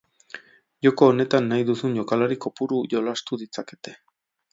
Joko honetan nahi duzun jokalari kopuru jolastu ditzakete.